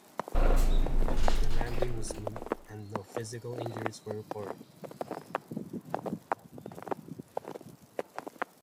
The landing was smooth and no physical injuries were reported.